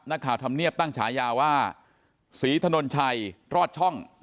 นักข่าวทำเนียบตั้งฉายาวว่าศรีถนนชัยรอดช่อง